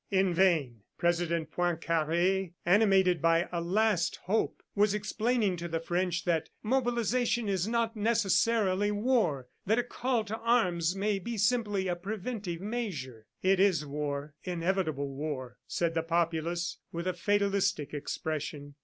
In vain President Poincare, animated by a last hope, was explaining to the French that "mobilization is not necessarily war, that a call to arms may be simply a preventive measure." "It is war, inevitable war," said the populace with a fatalistic expression.